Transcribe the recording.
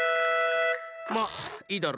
まいいだろ。